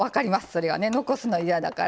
それはね残すの嫌だから。